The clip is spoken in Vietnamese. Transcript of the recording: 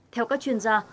theo các chuyên gia